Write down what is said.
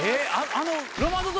あの。